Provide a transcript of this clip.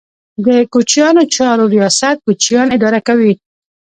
د کوچیانو چارو ریاست کوچیان اداره کوي